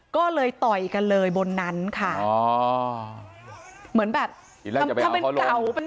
ก็เลยต่อยกันเลยบนนั้นค่ะเหมือนแบบอีกแรกจะไปเอาเขาลง